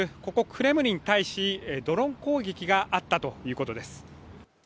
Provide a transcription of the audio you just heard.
クレムリンに対しドローン攻撃があったということです。